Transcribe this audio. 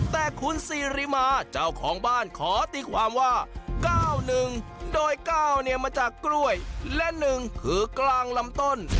แต่คุณซีริมาเจ้าของบ้านขอตีความว่า๙๑โดย๙เนี่ยมาจากกล้วยและ๑คือกลางลำต้น